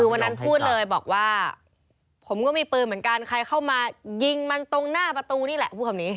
วันนั้นพูดเลยบอกว่าผมก็มีปืนเหมือนกันใครเข้ามายิงมันตรงหน้าประตูนี่แหละพูดคำนี้